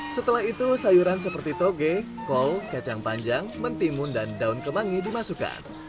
setelah itu sayuran seperti toge kol kacang panjang mentimun dan daun kemangi dimasukkan